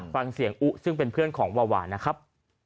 ฟังเสียงอุซึ่งเป็นเพื่อนของวาวานะครับ